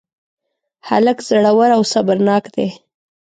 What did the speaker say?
هلک زړور او صبرناک دی.